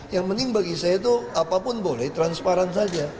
yang penting bagi saya itu apapun boleh transparan saja